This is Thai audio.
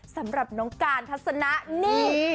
สำหรับน้องการทัศนะนี่